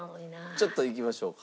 ちょっといきましょうか。